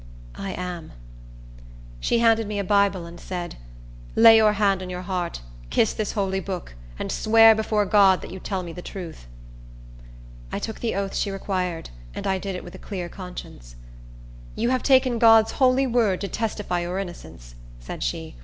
"I am." She handed me a Bible, and said, "Lay your hand on your heart, kiss this holy book, and swear before God that you tell me the truth." I took the oath she required, and I did it with a clear conscience. "You have taken God's holy word to testify your innocence," said she.